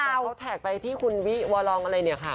แต่เขาแท็กไปที่คุณวิวอลองอะไรเนี่ยค่ะ